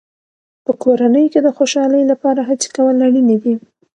په کورنۍ کې د خوشحالۍ لپاره هڅې کول اړینې دي.